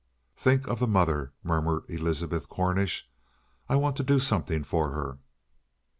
"Think of the mother," murmured Elizabeth Cornish. "I want to do something for her."